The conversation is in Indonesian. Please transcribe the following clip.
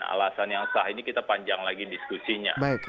alasan yang sah ini kita panjang lagi diskusinya